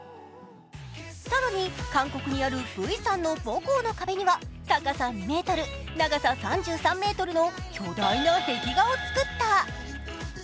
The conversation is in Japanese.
更に韓国にあるＶさんの母校の壁には高さ２ｍ、長さ３３ｍの巨大な壁画を作った。